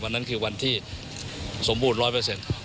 วันนั้นคือวันที่สมบูรณ์๑๐๐